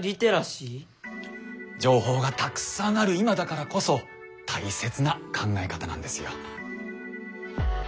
情報がたくさんある今だからこそ大切な考え方なんですよ。